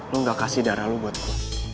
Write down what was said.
lo gak kasih darah lo buat gue